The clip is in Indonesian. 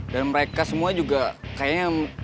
dan mereka semua juga kayaknya